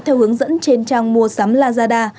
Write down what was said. theo hướng dẫn trên trang mua sắm lazada